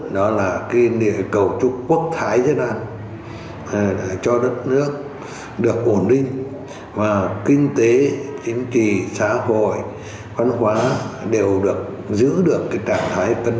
đó là cái cầu chúc quốc thái cho đất nước được ổn định và kinh tế chính trị xã hội văn hóa đều được giữ được trạng thái cân bình